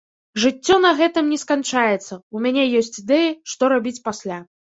Жыццё на гэтым не сканчаецца, у мяне ёсць ідэі, што рабіць пасля.